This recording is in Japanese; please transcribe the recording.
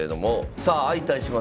さあ相対します